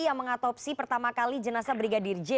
yang mengatopsi pertama kali jenasa brigadir j